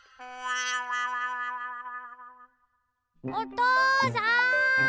おとうさん！